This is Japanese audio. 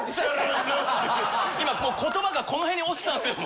・今言葉がこのへんに落ちたんですよ。